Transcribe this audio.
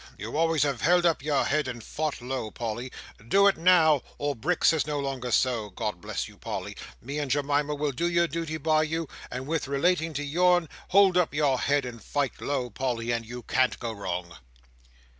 You always have held up your head and fought low, Polly. Do it now, or Bricks is no longer so. God bless you, Polly! Me and J'mima will do your duty by you; and with relating to your'n, hold up your head and fight low, Polly, and you can't go wrong!"